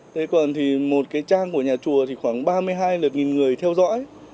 thế còn thì một cái trang của nhà chùa thì khoảng ba mươi hai lượt nghìn người theo dõi